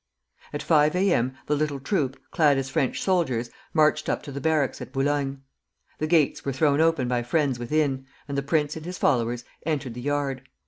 At five A. M. the little troop, clad as French soldiers, marched up to the barracks at Boulogne. The gates were thrown open by friends within, and the prince and his followers entered the yard.